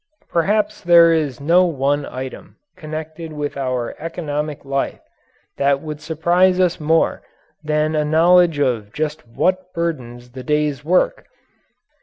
Perhaps there is no one item connected with our economic life that would surprise us more than a knowledge of just what burdens the day's work.